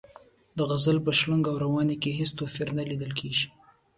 د غزل په شرنګ او روانۍ کې هېڅ توپیر نه لیدل کیږي.